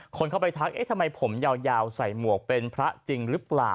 คนเข้าไปทักเอ๊ะทำไมผมยาวใส่หมวกเป็นพระจริงหรือเปล่า